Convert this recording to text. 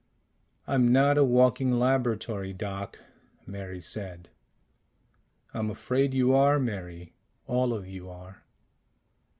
"I'm not a walking laboratory, Doc," Mary said. "I'm afraid you are, Mary. All of you are."